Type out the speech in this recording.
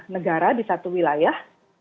negara di satu wilayah